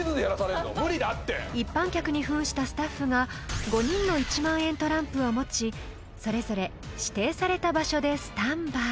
［一般客に扮したスタッフが５人の１万円トランプを持ちそれぞれ指定された場所でスタンバイ］